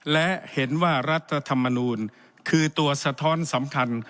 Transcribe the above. และเห็นว่ารัฐธรรมนูลคือตัวสะท้อนสำคัญ